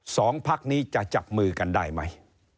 สองพักนี้จะจับมือกันได้ไหม